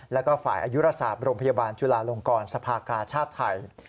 แล้วก็ฝ่ายอายุราศาสตร์โรงพยาบาลจุลาลงกรสภากาชาติไทย